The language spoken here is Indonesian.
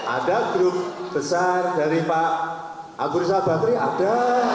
ada grup besar dari pak agur salbakri ada